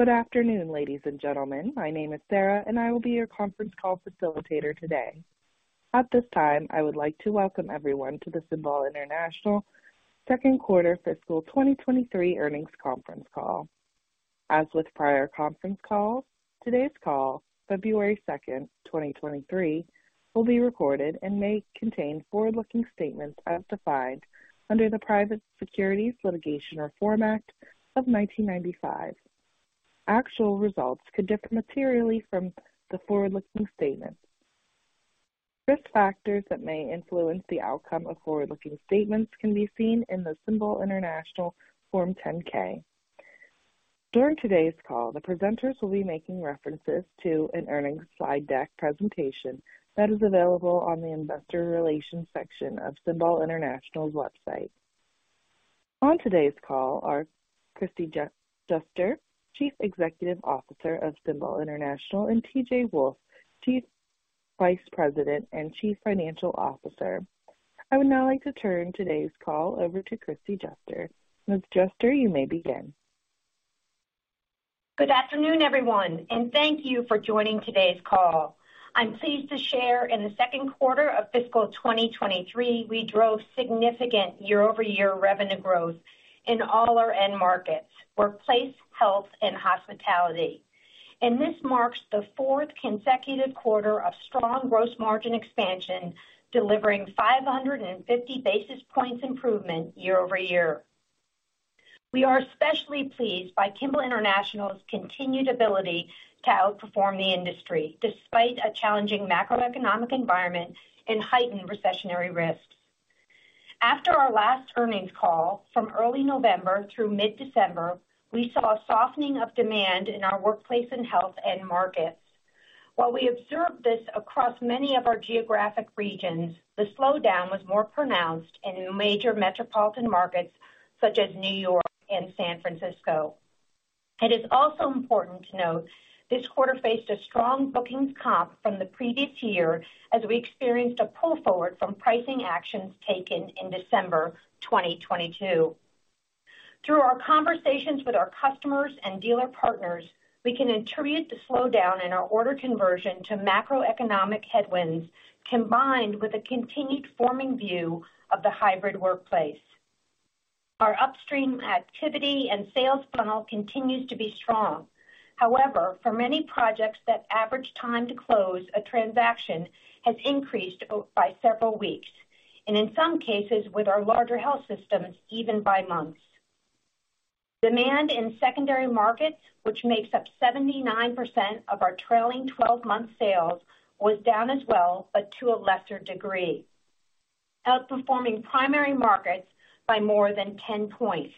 Good afternoon, ladies and gentlemen. My name is Sarah, and I will be your conference call facilitator today. At this time, I would like to welcome everyone to the Kimball International second quarter fiscal 2023 earnings conference call. As with prior conference calls, today's call, February 2, 2023, will be recorded and may contain forward-looking statements as defined under the Private Securities Litigation Reform Act of 1995. Actual results could differ materially from the forward-looking statements. Risk factors that may influence the outcome of forward-looking statements can be seen in the Kimball International Form 10-K. During today's call, the presenters will be making references to an earnings slide deck presentation that is available on the investor relations section of Kimball International's website. On today's call are Kristi Juster, Chief Executive Officer of Kimball International, and T.J. Wolfe, Vice President and Chief Financial Officer. I would now like to turn today's call over to Kristi Juster. Ms. Juster, you may begin. Good afternoon, everyone, and thank you for joining today's call. I'm pleased to share in the second quarter of fiscal 2023, we drove significant year-over-year revenue growth in all our end markets: workplace, health, and hospitality. This marks the fourth consecutive quarter of strong gross margin expansion, delivering 550 basis points improvement year-over-year. We are especially pleased by Kimball International's continued ability to outperform the industry despite a challenging macroeconomic environment and heightened recessionary risks. After our last earnings call from early November through mid-December, we saw a softening of demand in our workplace and health end markets. While we observed this across many of our geographic regions, the slowdown was more pronounced in major metropolitan markets such as New York and San Francisco. It is also important to note this quarter faced a strong bookings comp from the previous year as we experienced a pull forward from pricing actions taken in December 2022. Through our conversations with our customers and dealer partners, we can attribute the slowdown in our order conversion to macroeconomic headwinds, combined with a continued forming view of the hybrid workplace. Our upstream activity and sales funnel continues to be strong. However, for many projects, that average time to close a transaction has increased by several weeks, and in some cases, with our larger health systems, even by months. Demand in secondary markets, which makes up 79% of our trailing twelve-month sales, was down as well, but to a lesser degree, outperforming primary markets by more than 10 points.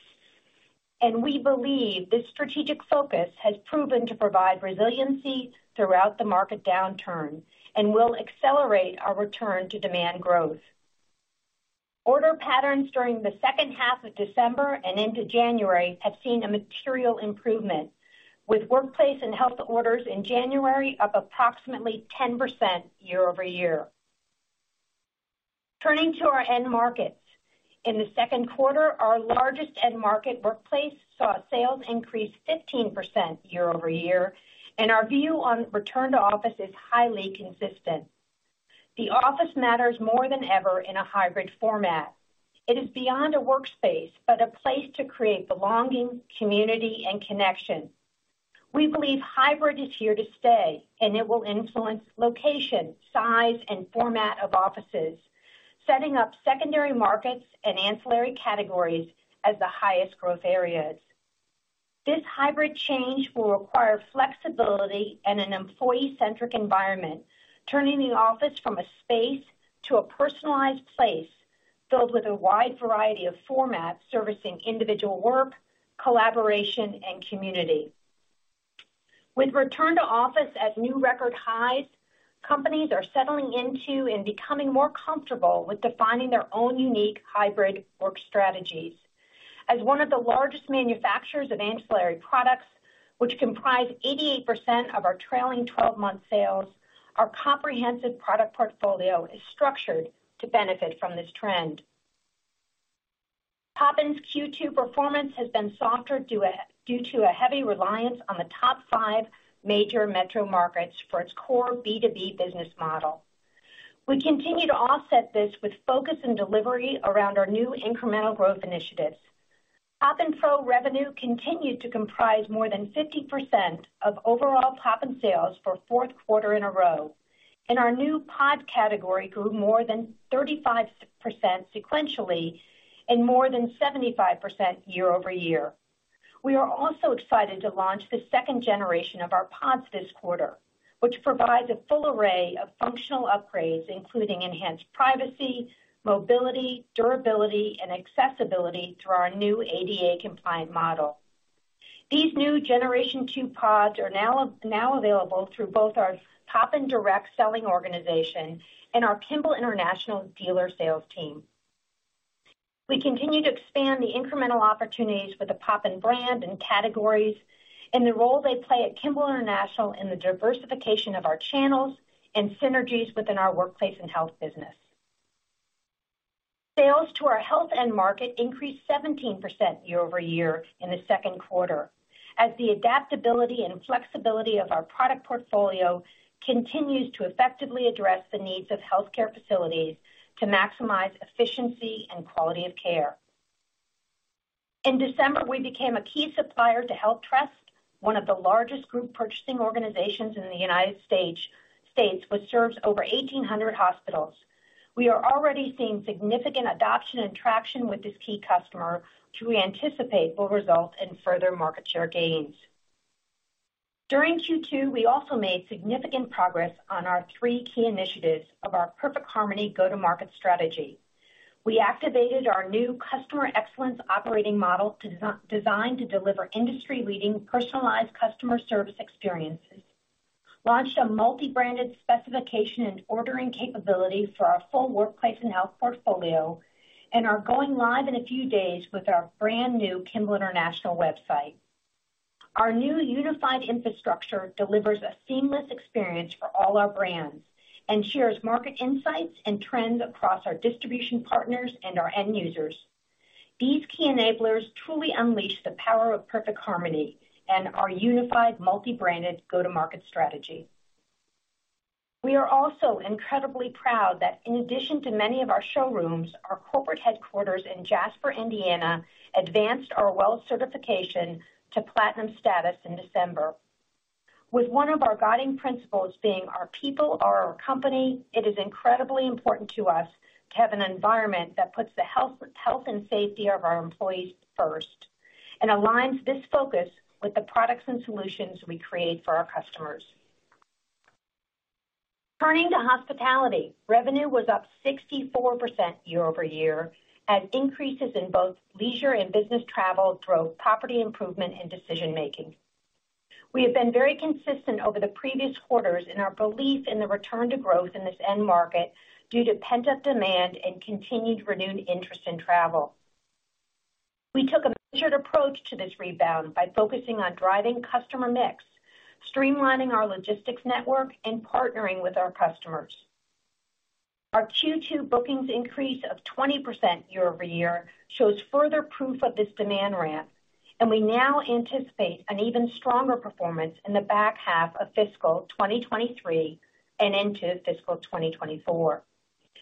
We believe this strategic focus has proven to provide resiliency throughout the market downturn and will accelerate our return to demand growth. Order patterns during the second half of December and into January have seen a material improvement, with Workplace and Health orders in January up approximately 10% year-over-year. Turning to our end markets. In the second quarter, our largest end market, Workplace, saw sales increase 15% year-over-year, and our view on return to office is highly consistent. The office matters more than ever in a hybrid format. It is beyond a workspace, but a place to create belonging, community, and connection. We believe hybrid is here to stay, and it will influence location, size, and format of offices, setting up secondary markets and ancillary categories as the highest growth areas. This hybrid change will require flexibility and an employee-centric environment, turning the office from a space to a personalized place filled with a wide variety of formats servicing individual work, collaboration, and community. With return to office at new record highs, companies are settling into and becoming more comfortable with defining their own unique hybrid work strategies. As one of the largest manufacturers of ancillary products, which comprise 88% of our trailing 12-month sales, our comprehensive product portfolio is structured to benefit from this trend. Poppin's Q2 performance has been softer due to a heavy reliance on the top five major metro markets for its core B2B business model. We continue to offset this with focus and delivery around our new incremental growth initiatives. Poppin Pro revenue continued to comprise more than 50% of overall Poppin sales for fourth quarter in a row, and our new pod category grew more than 35% sequentially and more than 75% year-over-year. We are also excited to launch the second generation of our pods this quarter, which provides a full array of functional upgrades including enhanced privacy, mobility, durability, and accessibility through our new ADA-compliant model. These new Generation II pods are now available through both our Poppin direct selling organization and our Kimball International dealer sales team. We continue to expand the incremental opportunities for the Poppin brand and categories and the role they play at Kimball International in the diversification of our channels and synergies within our workplace and health business. Sales to our health end market increased 17% year-over-year in the second quarter, as the adaptability and flexibility of our product portfolio continues to effectively address the needs of healthcare facilities to maximize efficiency and quality of care. In December, we became a key supplier to HealthTrust, one of the largest group purchasing organizations in the United States, which serves over 1,800 hospitals. We are already seeing significant adoption and traction with this key customer, which we anticipate will result in further market share gains. During Q2, we also made significant progress on our three key initiatives of our Perfect Harmony go-to-market strategy. We activated our new customer excellence operating model designed to deliver industry-leading personalized customer service experiences, launched a multi-branded specification and ordering capability for our full workplace and health portfolio, and are going live in a few days with our brand-new Kimball International website. Our new unified infrastructure delivers a seamless experience for all our brands and shares market insights and trends across our distribution partners and our end users. These key enablers truly unleash the power of Perfect Harmony and our unified multi-branded go-to-market strategy. We are also incredibly proud that in addition to many of our showrooms, our corporate headquarters in Jasper, Indiana, advanced our WELL Certification to platinum status in December. With one of our guiding principles being our people are our company, it is incredibly important to us to have an environment that puts the health and safety of our employees first and aligns this focus with the products and solutions we create for our customers. Turning to hospitality, revenue was up 64% year-over-year as increases in both leisure and business travel drove property improvement and decision-making. We have been very consistent over the previous quarters in our belief in the return to growth in this end market due to pent-up demand and continued renewed interest in travel. We took a measured approach to this rebound by focusing on driving customer mix, streamlining our logistics network, and partnering with our customers. Our Q2 bookings increase of 20% year-over-year shows further proof of this demand ramp, and we now anticipate an even stronger performance in the back half of fiscal 2023 and into fiscal 2024,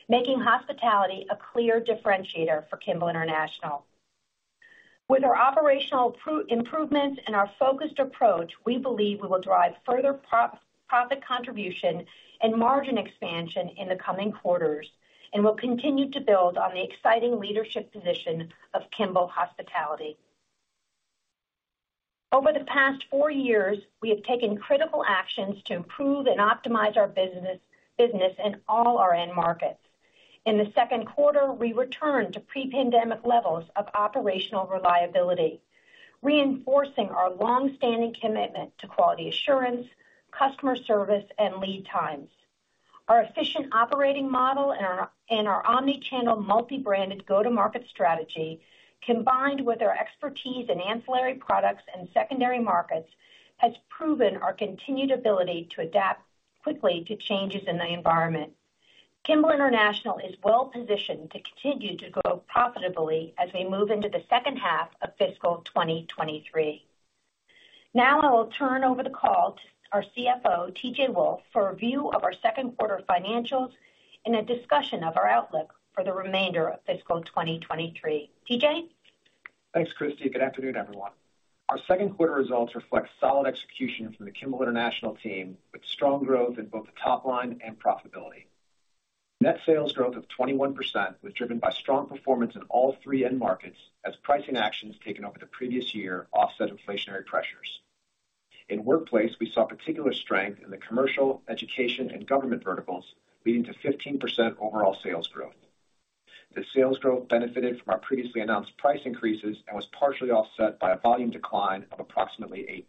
making hospitality a clear differentiator for Kimball International. With our operational improvements and our focused approach, we believe we will drive further profit contribution and margin expansion in the coming quarters and will continue to build on the exciting leadership position of Kimball Hospitality. Over the past four years, we have taken critical actions to improve and optimize our business in all our end markets. In the second quarter, we returned to pre-pandemic levels of operational reliability, reinforcing our long-standing commitment to quality assurance, customer service, and lead times. Our efficient operating model and our omnichannel multi-branded go-to-market strategy, combined with our expertise in ancillary products and secondary markets, has proven our continued ability to adapt quickly to changes in the environment. Kimball International is well-positioned to continue to grow profitably as we move into the second half of fiscal 2023. I will turn over the call to our CFO, T.J. Wolfe, for a review of our second quarter financials and a discussion of our outlook for the remainder of fiscal 2023. T.J.? Thanks, Kristie. Good afternoon, everyone. Our second quarter results reflect solid execution from the Kimball International team, with strong growth in both the top line and profitability. Net sales growth of 21% was driven by strong performance in all three end markets as pricing actions taken over the previous year offset inflationary pressures. In workplace, we saw particular strength in the commercial, education, and government verticals, leading to 15% overall sales growth. The sales growth benefited from our previously announced price increases and was partially offset by a volume decline of approximately 8%.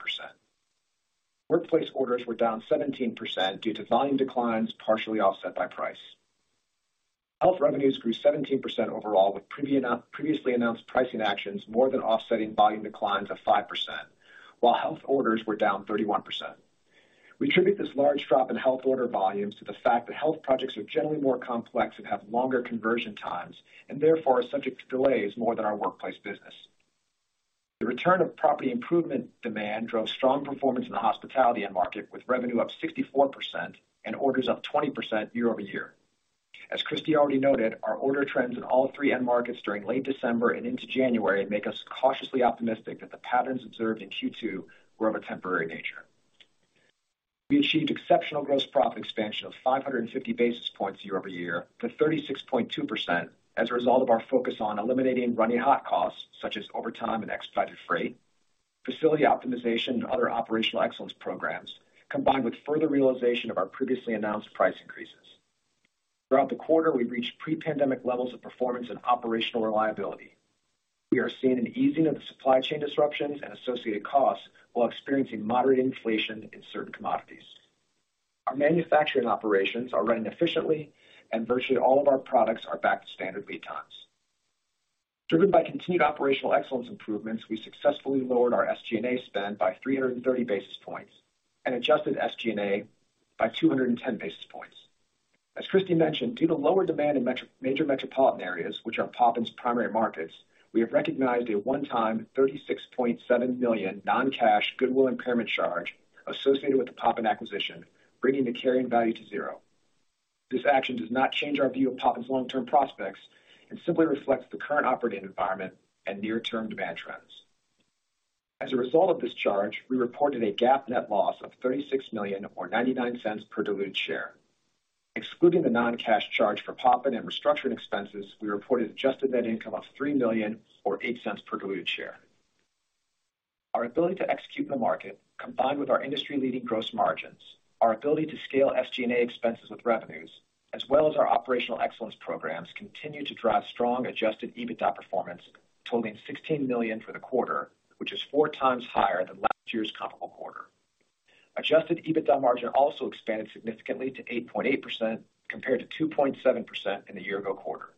Workplace orders were down 17% due to volume declines, partially offset by price. Health revenues grew 17% overall, with previously announced pricing actions more than offsetting volume declines of 5%, while health orders were down 31%. We attribute this large drop in health order volumes to the fact that health projects are generally more complex and have longer conversion times and therefore are subject to delays more than our workplace business. The return of property improvement demand drove strong performance in the hospitality end market, with revenue up 64% and orders up 20% year-over-year. As Kristi already noted, our order trends in all three end markets during late December and into January make us cautiously optimistic that the patterns observed in Q2 were of a temporary nature. We achieved exceptional gross profit expansion of 550 basis points year-over-year to 36.2% as a result of our focus on eliminating running hot costs such as overtime and expedited freight, facility optimization and other operational excellence programs, combined with further realization of our previously announced price increases. Throughout the quarter, we've reached pre-pandemic levels of performance and operational reliability. We are seeing an easing of the supply chain disruptions and associated costs while experiencing moderate inflation in certain commodities. Our manufacturing operations are running efficiently and virtually all of our products are back to standard lead times. Driven by continued operational excellence improvements, we successfully lowered our SG&A spend by 330 basis points and adjusted SG&A by 210 basis points. As Kristi mentioned, due to lower demand in major metropolitan areas, which are Poppin's primary markets, we have recognized a one-time $36.7 million non-cash goodwill impairment charge associated with the Poppin acquisition, bringing the carrying value to zero. This action does not change our view of Poppin's long-term prospects and simply reflects the current operating environment and near-term demand trends. As a result of this charge, we reported a GAAP net loss of $36 million or $0.99 per diluted share. Excluding the non-cash charge for Poppin and restructuring expenses, we reported adjusted net income of $3 million or $0.08 per diluted share. Our ability to execute the market, combined with our industry-leading gross margins, our ability to scale SG&A expenses with revenues, as well as our operational excellence programs, continue to drive strong adjusted EBITDA performance totaling $16 million for the quarter, which is 4 times higher than last year's comparable quarter. Adjusted EBITDA margin also expanded significantly to 8.8% compared to 2.7% in the year ago quarter.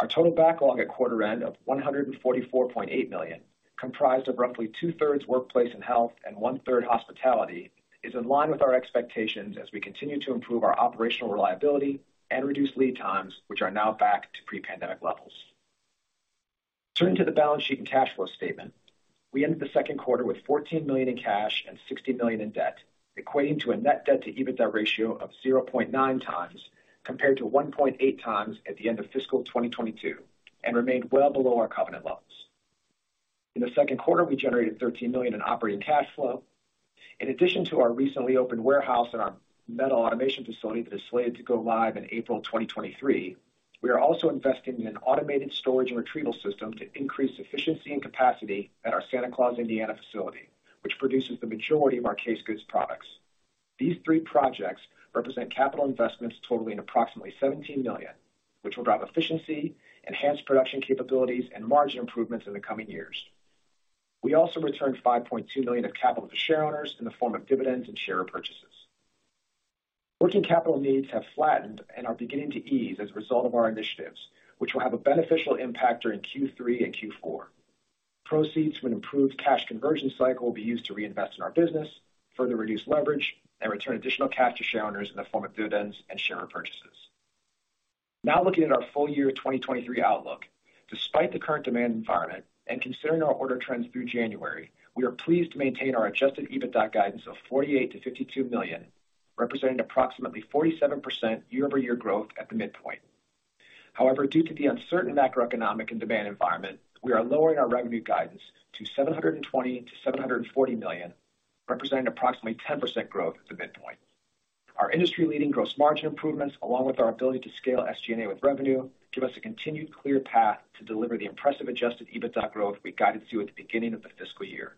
Our total backlog at quarter end of $144.8 million, comprised of roughly 2/3 workplace and health and 1/3 hospitality, is in line with our expectations as we continue to improve our operational reliability and reduce lead times, which are now back to pre-pandemic levels. Turning to the balance sheet and cash flow statement. We ended the second quarter with $14 million in cash and $60 million in debt, equating to a net debt to EBITDA ratio of 0.9x compared to 1.8x at the end of fiscal 2022, and remained well below our covenant levels. In the second quarter, we generated $13 million in operating cash flow. In addition to our recently opened warehouse and our metal automation facility that is slated to go live in April 2023, we are also investing in an automated storage and retrieval system to increase efficiency and capacity at our Santa Claus, Indiana, facility, which produces the majority of our case goods products. These three projects represent capital investments totaling approximately $17 million, which will drive efficiency, enhance production capabilities, and margin improvements in the coming years. We also returned $5.2 million of capital to shareowners in the form of dividends and share repurchases. Working capital needs have flattened and are beginning to ease as a result of our initiatives, which will have a beneficial impact during Q3 and Q4. Proceeds from an improved cash conversion cycle will be used to reinvest in our business, further reduce leverage, and return additional cash to shareowners in the form of dividends and share repurchases. Looking at our full year 2023 outlook. Despite the current demand environment and considering our order trends through January, we are pleased to maintain our adjusted EBITDA guidance of $48 million-$52 million, representing approximately 47% year-over-year growth at the midpoint. Due to the uncertain macroeconomic and demand environment, we are lowering our revenue guidance to $720 million-$740 million, representing approximately 10% growth at the midpoint. Our industry-leading gross margin improvements, along with our ability to scale SG&A with revenue, give us a continued clear path to deliver the impressive adjusted EBITDA growth we guided to at the beginning of the fiscal year.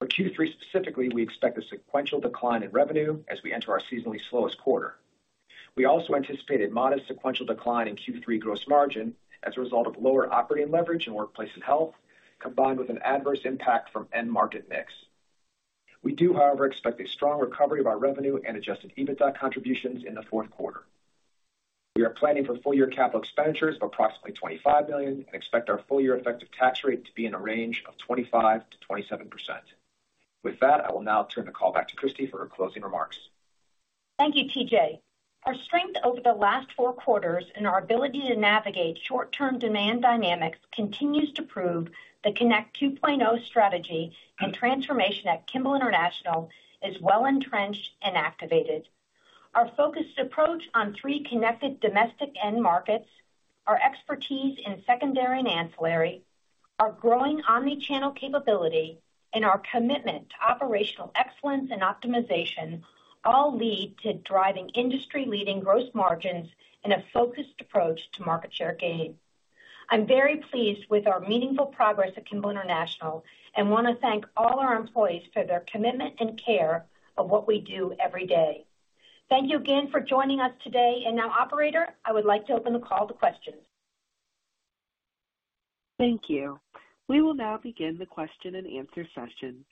For Q3 specifically, we expect a sequential decline in revenue as we enter our seasonally slowest quarter. We also anticipate a modest sequential decline in Q3 gross margin as a result of lower operating leverage in Workplace and Health, combined with an adverse impact from end market mix. We do, however, expect a strong recovery of our revenue and adjusted EBITDA contributions in the fourth quarter. We are planning for full-year capital expenditures of approximately $25 million and expect our full-year effective tax rate to be in a range of 25%-27%. With that, I will now turn the call back to Kristi for her closing remarks. Thank you, T.J. Our strength over the last four quarters and our ability to navigate short-term demand dynamics continues to prove the Connect 2.0 strategy and transformation at Kimball International is well entrenched and activated. Our focused approach on three connected domestic end markets, our expertise in secondary and ancillary, our growing omni-channel capability, and our commitment to operational excellence and optimization all lead to driving industry-leading gross margins and a focused approach to market share gain. I'm very pleased with our meaningful progress at Kimball International and wanna thank all our employees for their commitment and care of what we do every day. Thank you again for joining us today. Now, operator, I would like to open the call to questions. Thank you. We will now begin the question-and-answer session.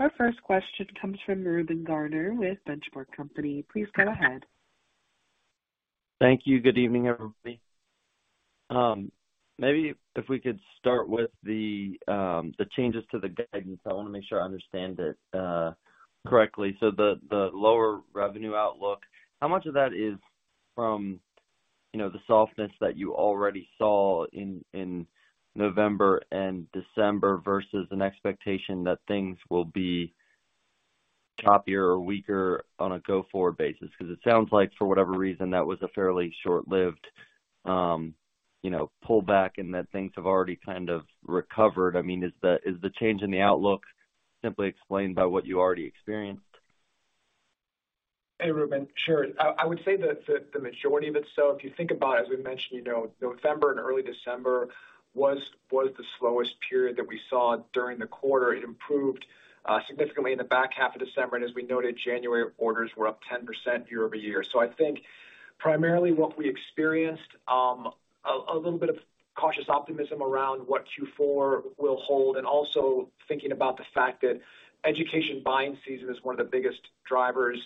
Our first question comes from Reuben Garner with The Benchmark Company. Please go ahead. Thank you. Good evening, everybody. Maybe if we could start with the changes to the guidance. I wanna make sure I understand it correctly. The, the lower revenue outlook, how much of that is from, you know, the softness that you already saw in November and December versus an expectation that things will be choppier or weaker on a go-forward basis? 'Cause it sounds like for whatever reason, that was a fairly short-lived, you know, pullback and that things have already kind of recovered. I mean, is the, is the change in the outlook simply explained by what you already experienced? Hey, Reuben. Sure. I would say that the majority of it. If you think about, as we mentioned, you know, November and early December was the slowest period that we saw during the quarter. It improved significantly in the back half of December, and as we noted, January orders were up 10% year-over-year. I think primarily what we experienced a little bit of cautious optimism around what Q4 will hold, and also thinking about the fact that education buying season is one of the biggest drivers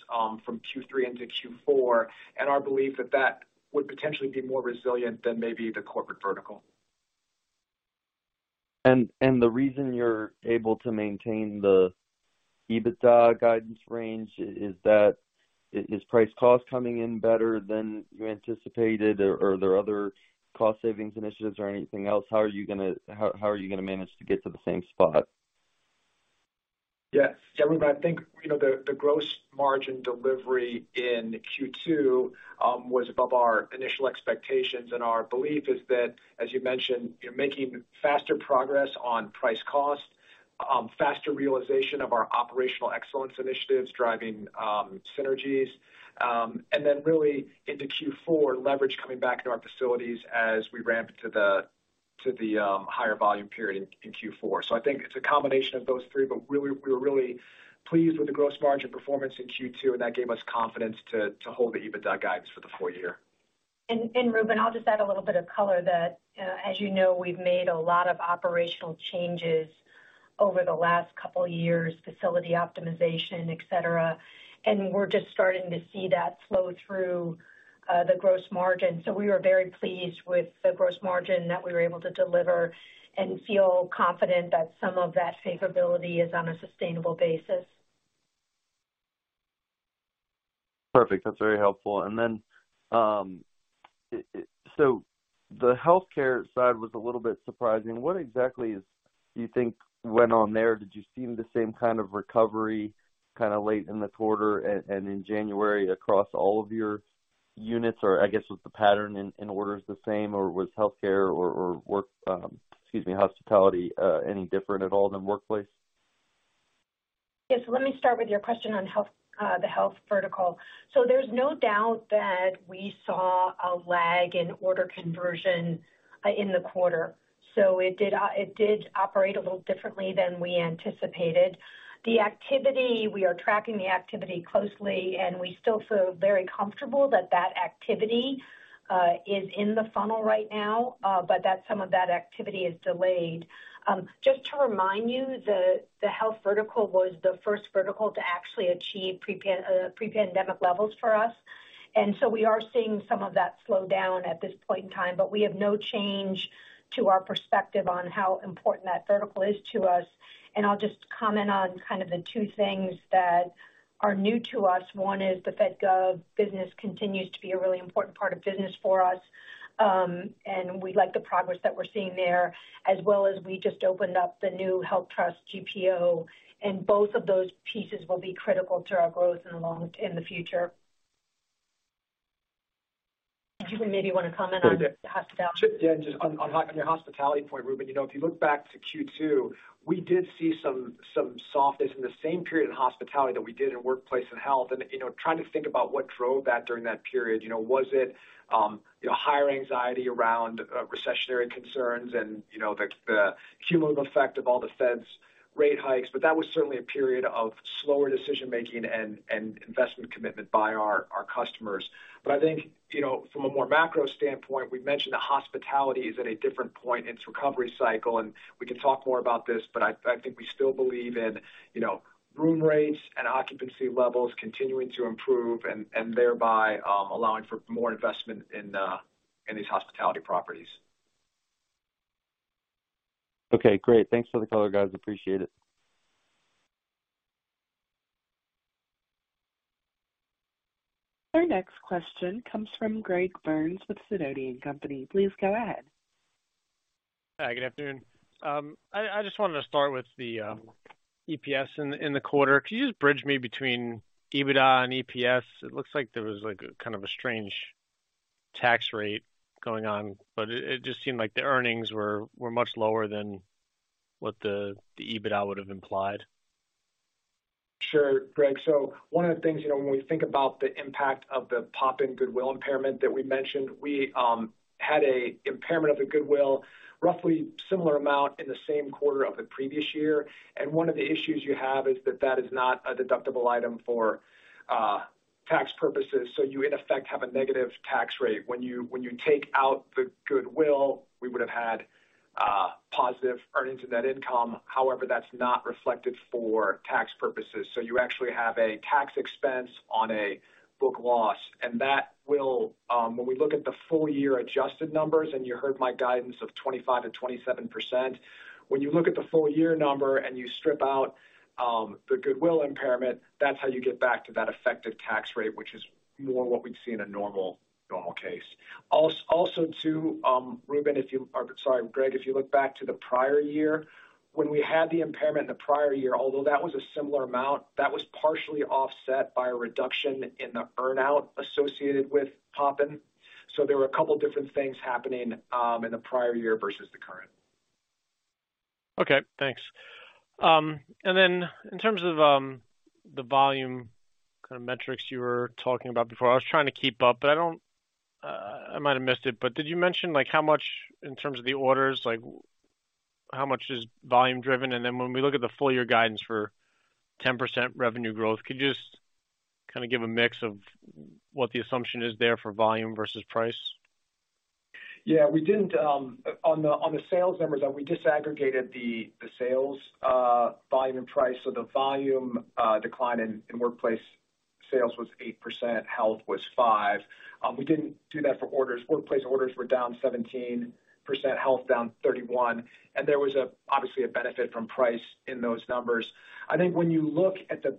from Q3 into Q4, and our belief that that would potentially be more resilient than maybe the corporate vertical. The reason you're able to maintain the EBITDA guidance range is price cost coming in better than you anticipated, or are there other cost savings initiatives or anything else? How are you gonna manage to get to the same spot? Yeah. Yeah, Reuben, I think, you know, the gross margin delivery in Q2 was above our initial expectations, and our belief is that, as you mentioned, you're making faster progress on price cost, faster realization of our operational excellence initiatives driving synergies. Really into Q4, leverage coming back into our facilities as we ramp into the higher volume period in Q4. I think it's a combination of those three, but we were really pleased with the gross margin performance in Q2, and that gave us confidence to hold the EBITDA guidance for the full year. Reuben, I'll just add a little bit of color that, as you know, we've made a lot of operational changes over the last couple years, facility optimization, et cetera. We're just starting to see that flow through the gross margin. We were very pleased with the gross margin that we were able to deliver and feel confident that some of that favorability is on a sustainable basis. Perfect. That's very helpful. Then, so the healthcare side was a little bit surprising. What exactly do you think went on there? Did you see the same kind of recovery kinda late in the quarter and in January across all of your units? Or I guess, was the pattern in orders the same, or was healthcare or work, excuse me, hospitality, any different at all than workplace? Yes. Let me start with your question on the health vertical. There's no doubt that we saw a lag in order conversion in the quarter. It did operate a little differently than we anticipated. The activity, we are tracking the activity closely, and we still feel very comfortable that that activity is in the funnel right now, but that some of that activity is delayed. Just to remind you, the health vertical was the first vertical to actually achieve pre-pandemic levels for us. We are seeing some of that slow down at this point in time, but we have no change to our perspective on how important that vertical is to us. I'll just comment on kind of the two things that are new to us. One is the Fed gov business continues to be a really important part of business for us. We like the progress that we're seeing there, as well as we just opened up the new HealthTrust GPO. Both of those pieces will be critical to our growth in the future. Do you maybe wanna comment on hospitality? Yeah. Just on your hospitality point, Reuben, you know, if you look back to Q2, we did see some softness in the same period in hospitality that we did in Workplace and Health. Trying to think about what drove that during that period. You know, was it, you know, higher anxiety around recessionary concerns and, you know, the cumulative effect of all The Fed's rate hikes? That was certainly a period of slower decision-making and investment commitment by our customers. I think, you know, from a more macro standpoint, we've mentioned that hospitality is at a different point in its recovery cycle, and we can talk more about this, but I think we still believe in, you know, room rates and occupancy levels continuing to improve and thereby allowing for more investment in these hospitality properties. Okay, great. Thanks for the color, guys. Appreciate it. Our next question comes from Greg Burns with Sidoti & Company. Please go ahead. Hi, good afternoon. I just wanted to start with the EPS in the quarter. Could you just bridge me between EBITDA and EPS? It looks like there was, like, a kind of a strange tax rate going on, but it just seemed like the earnings were much lower than what the EBITDA would have implied. Sure, Greg. One of the things, you know, when we think about the impact of the Poppin goodwill impairment that we mentioned, we had a impairment of the goodwill, roughly similar amount in the same quarter of the previous year. One of the issues you have is that that is not a deductible item for tax purposes, so you in effect have a negative tax rate. When you take out the goodwill, we would have had positive earnings and net income. However, that's not reflected for tax purposes. You actually have a tax expense on a book loss, and that will, when we look at the full year adjusted numbers, and you heard my guidance of 25%-27%. When you look at the full year number and you strip out the goodwill impairment, that's how you get back to that effective tax rate, which is more what we'd see in a normal case. Also too, Greg, if you look back to the prior year, when we had the impairment in the prior year, although that was a similar amount, that was partially offset by a reduction in the earn-out associated with Poppin. There were a couple different things happening in the prior year versus the current. Okay, thanks. In terms of the volume kind of metrics you were talking about before. I was trying to keep up, but I don't... I might have missed it, but did you mention, like, how much in terms of the orders, like how much is volume driven? When we look at the full year guidance for 10% revenue growth, could you just kind of give a mix of what the assumption is there for volume versus price? We didn't, on the sales numbers, though, we disaggregated the sales volume and price. The volume decline in workplace sales was 8%, health was 5%. We didn't do that for orders. Workplace orders were down 17%, health down 31%, there was obviously a benefit from price in those numbers. I think when you look at the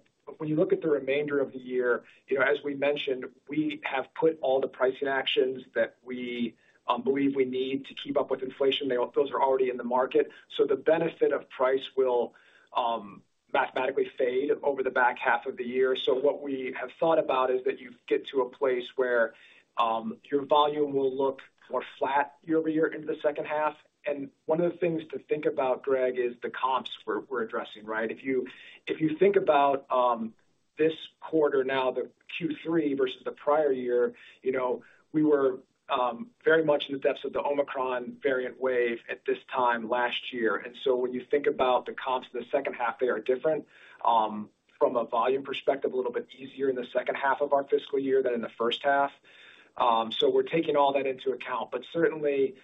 remainder of the year, you know, as we mentioned, we have put all the pricing actions that we believe we need to keep up with inflation. Those are already in the market. The benefit of price will mathematically fade over the back half of the year. what we have thought about is that you get to a place where your volume will look more flat year-over-year into the second half. one of the things to think about, Greg, is the comps we're addressing, right? If you think about this quarter now, the Q3 versus the prior year, you know, we were very much in the depths of the Omicron variant wave at this time last year. when you think about the comps for the second half, they are different from a volume perspective, a little bit easier in the second half of our fiscal year than in the first half. we're taking all that into account, but certainly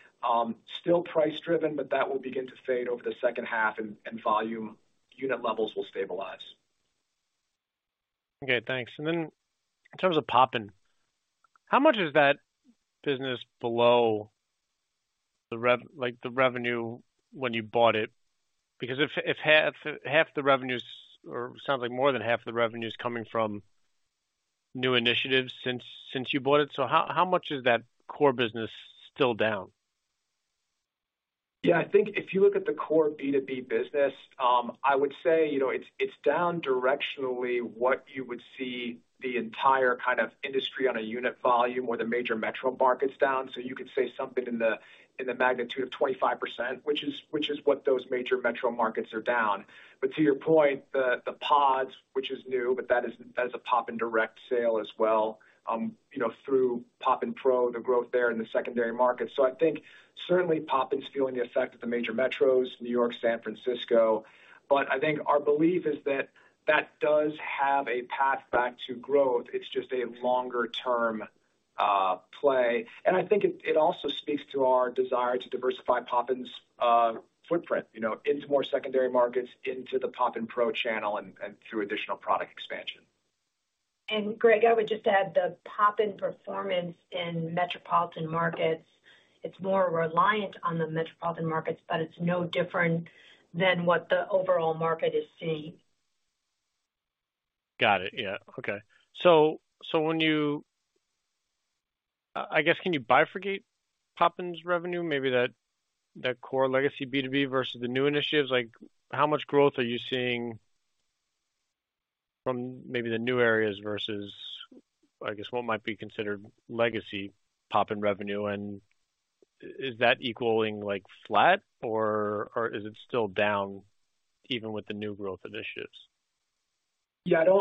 still price driven, but that will begin to fade over the second half and volume unit levels will stabilize. Okay, thanks. Then in terms of Poppin, how much is that business below like the revenue when you bought it? If, if half the revenues or sounds like more than half of the revenue is coming from new initiatives since you bought it, so how much is that core business still down? I think if you look at the core B2B business, I would say, you know, it's down directionally what you would see the entire kind of industry on a unit volume or the major metro markets down. You could say something in the magnitude of 25%, which is what those major metro markets are down. To your point, the pods, which is new, that is a Poppin direct sale as well, you know, through Poppin Pro, the growth there in the secondary market. I think certainly Poppin's feeling the effect of the major metros, New York, San Francisco, I think our belief is that that does have a path back to growth. It's just a longer-term play. I think it also speaks to our desire to diversify Poppin's footprint, you know, into more secondary markets, into the Poppin Pro channel, and through additional product expansion. Greg, I would just add the Poppin performance in metropolitan markets, it's more reliant on the metropolitan markets, but it's no different than what the overall market is seeing. Got it. Okay. I guess can you bifurcate Poppin's revenue, maybe that core legacy B2B versus the new initiatives? Like how much growth are you seeing from maybe the new areas versus, I guess, what might be considered legacy Poppin revenue? Is that equaling like flat or is it still down even with the new growth initiatives?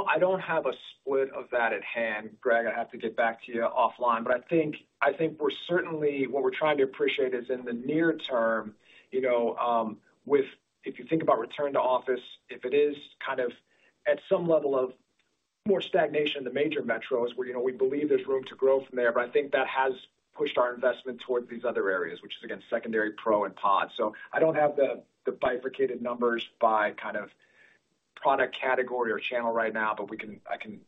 I don't have a split of that at hand, Greg. I have to get back to you offline, but I think we're certainly. What we're trying to appreciate is in the near term, you know, If you think about return to office, if it is kind of at some level of more stagnation in the major metros where, you know, we believe there's room to grow from there. I think that has pushed our investment towards these other areas, which is again, secondary, Pro and Pods. I don't have the bifurcated numbers by kind of product category or channel right now, but I can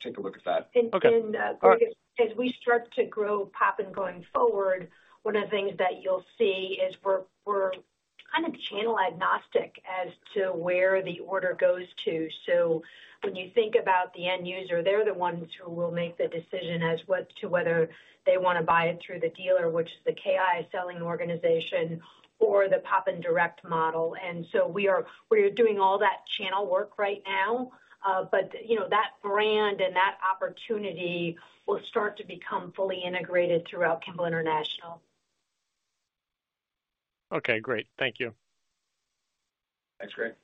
take a look at that. And, and, uh- Okay. All right. Greg, as we start to grow Poppin going forward, one of the things that you'll see is we're kind of channel agnostic as to where the order goes to. When you think about the end user, they're the ones who will make the decision as whether they wanna buy it through the dealer, which is the KI selling organization or the Poppin direct model. We are, we're doing all that channel work right now, but, you know, that brand and that opportunity will start to become fully integrated throughout Kimball International. Okay, great. Thank you. Thanks, Greg.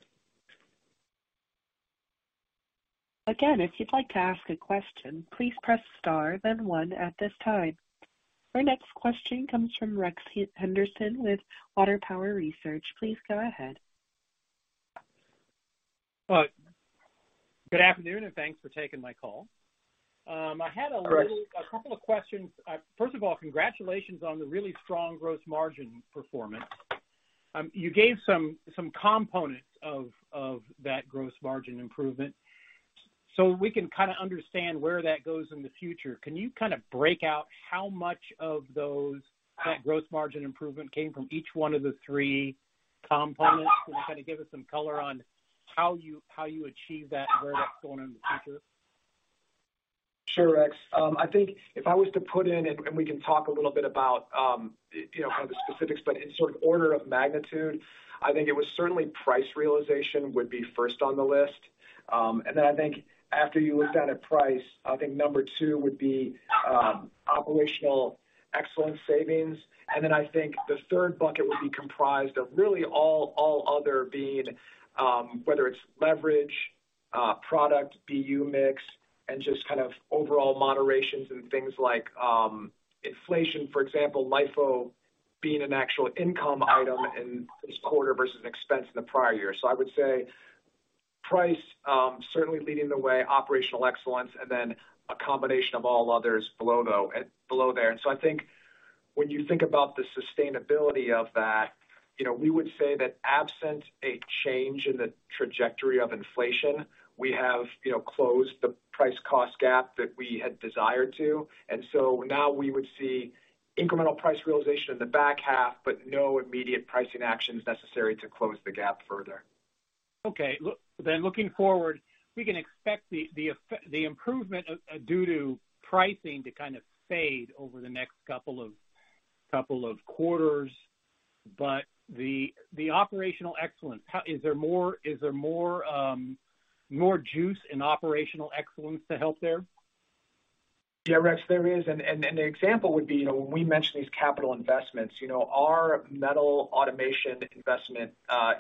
Our next question comes from Rexford Henderson with Water Tower Research. Please go ahead. Good afternoon, and thanks for taking my call. I had a. All right. A couple of questions. First of all, congratulations on the really strong gross margin performance. You gave some components of that gross margin improvement. We can kinda understand where that goes in the future. Can you kinda break out how much of that gross margin improvement came from each one of the three components? Can you kinda give us some color on how you achieve that and where that's going in the future? Sure, Rex. I think if I was to put in, we can talk a little bit about, you know, the specifics, but in sort of order of magnitude, I think it was certainly price realization would be first on the list. After you look down at price, I think number two would be operational excellence savings. The third bucket would be comprised of really all other being, whether it's leverage, product, BU mix, and just kind of overall moderations in things like inflation, for example, LIFO being an actual income item in this quarter versus expense in the prior year. I would say price certainly leading the way, operational excellence, a combination of all others below there. I think when you think about the sustainability of that, you know, we would say that absent a change in the trajectory of inflation, we have, you know, closed the price cost gap that we had desired to. Now we would see incremental price realization in the back half, but no immediate pricing actions necessary to close the gap further. Okay. Looking forward, we can expect the effect, the improvement, due to pricing to kind of fade over the next couple of quarters. The operational excellence, is there more juice in operational excellence to help there? Yeah, Rex, there is. The example would be, you know, when we mention these capital investments, you know, our metal automation investment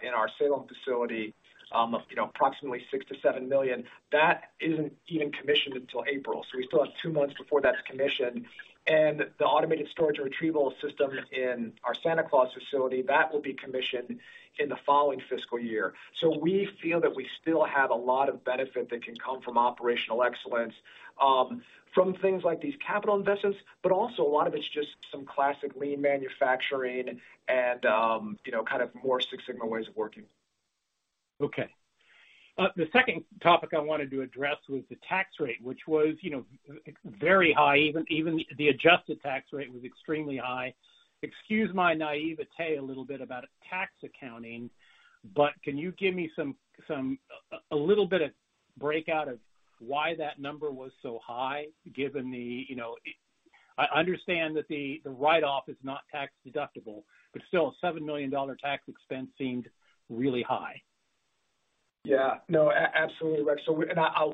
in our Salem facility, you know, approximately $6 million-$7 million, that isn't even commissioned until April, so we still have two months before that's commissioned. The automated storage and retrieval system in our Santa Claus facility, that will be commissioned in the following fiscal year. We feel that we still have a lot of benefit that can come from operational excellence, from things like these capital investments, but also a lot of it's just some classic lean manufacturing and, you know, kind of more Six Sigma ways of working. Okay. The second topic I wanted to address was the tax rate, which was, you know, very high, even the adjusted tax rate was extremely high. Excuse my naivete a little bit about tax accounting, but can you give me some little bit of breakout of why that number was so high given the you know. I understand that the write off is not tax deductible, but still $7 million tax expense seemed really high. Yeah. No, absolutely, Rex.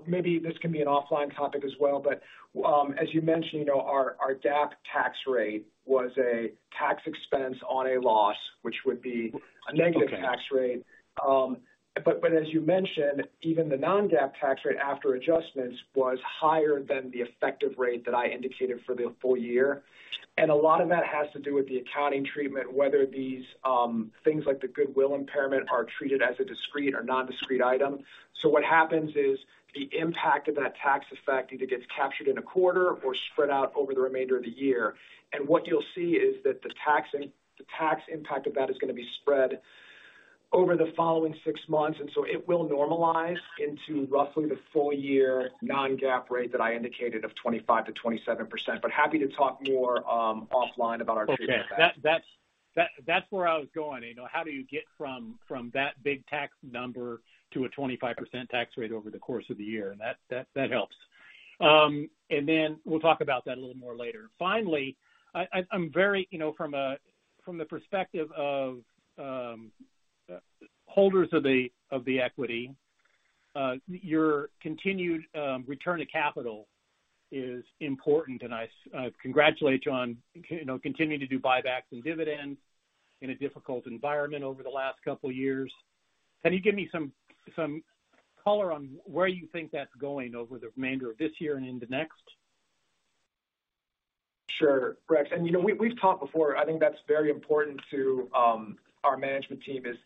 Maybe this can be an offline topic as well, but as you mentioned, you know, our GAAP tax rate was a tax expense on a loss, which would be a negative tax rate. But as you mentioned, even the non-GAAP tax rate after adjustments was higher than the effective rate that I indicated for the full year. A lot of that has to do with the accounting treatment, whether these things like the goodwill impairment are treated as a discrete or non-discrete item. What happens is the impact of that tax effect either gets captured in a quarter or spread out over the remainder of the year. What you'll see is that the tax impact of that is gonna be spread over the following six months, and so it will normalize into roughly the full year non-GAAP rate that I indicated of 25%-27%. Happy to talk more offline about our treatment of that. Okay. That's, that's where I was going. You know, how do you get from that big tax number to a 25% tax rate over the course of the year? That helps. Then we'll talk about that a little more later. Finally, I'm very, you know, from the perspective of holders of the equity, your continued return to capital is important, and I congratulate you on you know, continuing to do buybacks and dividends in a difficult environment over the last couple years. Can you give me some color on where you think that's going over the remainder of this year and into next? Sure, Rex. You know, we've talked before. I think that's very important to our management team is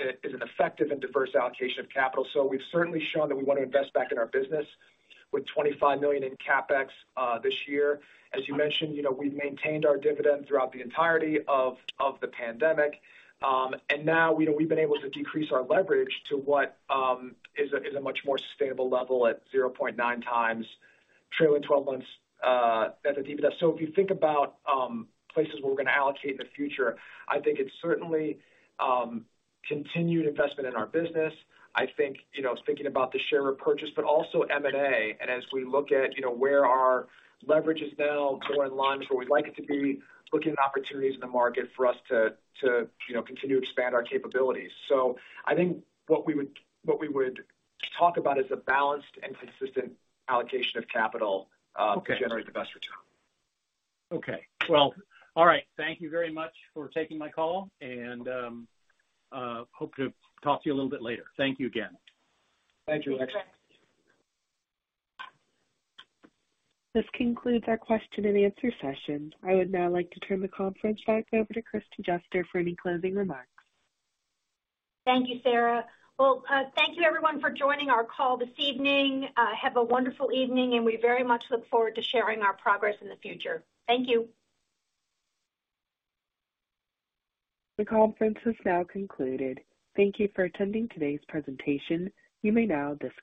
an effective and diverse allocation of capital. We've certainly shown that we want to invest back in our business with $25 million in CapEx this year. As you mentioned, you know, we've maintained our dividend throughout the entirety of the pandemic. And now, you know, we've been able to decrease our leverage to what is a much more sustainable level at 0.9 times trailing 12 months EBITDA. If you think about places where we're gonna allocate in the future, I think it's certainly continued investment in our business. I think, you know, thinking about the share repurchase, but also M&A. As we look at, you know, where our leverage is now, core and launch, where we'd like it to be, looking at opportunities in the market for us to, you know, continue to expand our capabilities. I think what we would talk about is a balanced and consistent allocation of capital to generate the best return. Okay. Well, all right. Thank you very much for taking my call. Hope to talk to you a little bit later. Thank you again. Thank you, Rex. This concludes our question and answer session. I would now like to turn the conference back over to Kristi Juster for any closing remarks. Thank you, Sarah. Well, thank you everyone for joining our call this evening. Have a wonderful evening, and we very much look forward to sharing our progress in the future. Thank you. The conference is now concluded. Thank you for attending today's presentation. You may now disconnect.